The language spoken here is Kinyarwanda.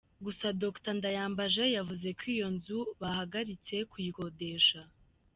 Gusa Dr Ndayambaje yavuze ko iyo nzu bahagaritse kuyikodesha.